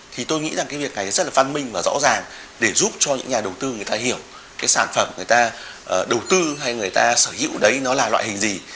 thì tôi nghĩ rằng cái việc này rất là văn minh và rõ ràng để giúp cho những nhà đầu tư người ta hiểu cái sản phẩm người ta đầu tư hay người ta sở hữu đấy nó là loại hình gì